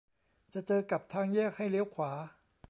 จะเจอกับทางแยกให้เลี้ยวขวา